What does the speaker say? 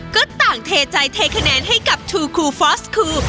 ก็ต่างเทใจเทคะแนนให้กับทูคูฟอสคู